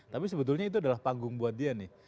tapi sebetulnya itu adalah panggung buat dia nih